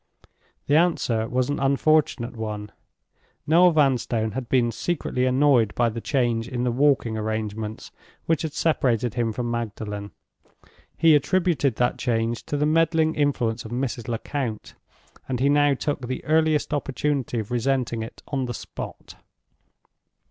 The answer was an unfortunate one. Noel Vanstone had been secretly annoyed by the change in the walking arrangements, which had separated him from Magdalen. He attributed that change to the meddling influence of Mrs. Lecount, and he now took the earliest opportunity of resenting it on the spot.